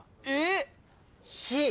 えっ！？